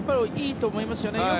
いいと思いますよね。